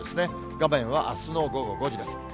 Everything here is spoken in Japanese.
画面はあすの午後５時です。